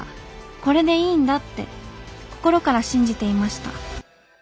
これでいいんだって心から信じていました。